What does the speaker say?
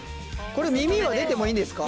これ耳は出てもいいんですか？